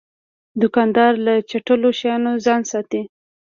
دوکاندار له چټلو شیانو ځان ساتي.